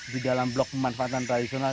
di dalam blok pemanfaatan tradisional